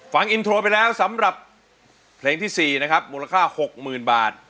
ฟังอินโทรไปแล้วสำหรับเพลงที่๔นะครับมูลค่า๖๐๐๐บาท